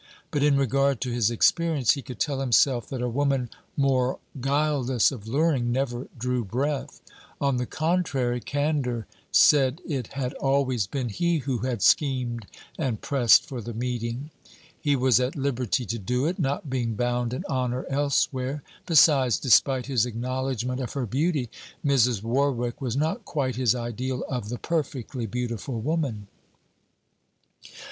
But in regard to his experience, he could tell himself that a woman more guileless of luring never drew breath. On the contrary, candour said it had always been he who had schemed and pressed for the meeting. He was at liberty to do it, not being bound in honour elsewhere. Besides, despite his acknowledgement of her beauty, Mrs. Warwick was not quite his ideal of the perfectly beautiful woman.